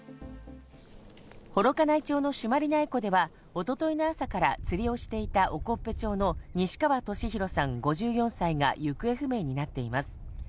幌加内町の朱鞠内湖では、一昨日の朝から釣りをしていた興部町の西川俊宏さん５４歳が行方不明になっています。